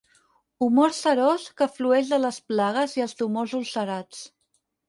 Humor serós que flueix de les plagues i els tumors ulcerats.